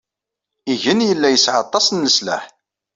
Igen yella yesɛa aṭas n leslaḥ.